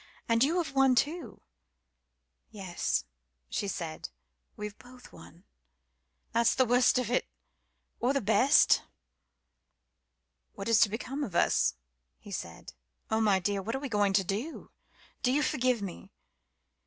And you have won too." "Yes," she said, "we've both won. That's the worst of it or the best." "What is to become of us?" he said. "Oh, my dear what are we to do? Do you forgive me?